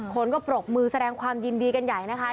คนก็ปรบมือแสดงความยินดีกันใหญ่นะคะ